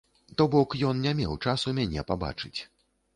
То бок, ён не меў часу мяне пабачыць.